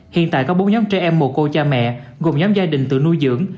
hiện tại có bốn nhóm trẻ em mồ côi cha mẹ gồm nhóm gia đình tựa nuôi dưỡng